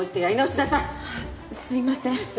はいすいません。